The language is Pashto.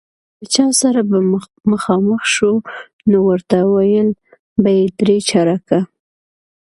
له چا سره به مخامخ شو، نو ورته ویل به یې درې چارکه.